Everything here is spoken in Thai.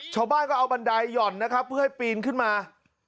ชาวบ้านก็เอาบันไดหย่อนนะครับเพื่อให้ปีนขึ้นมา